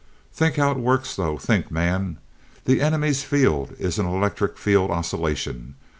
"Think how it works though. Think, man. The enemy's field is an electric field oscillation.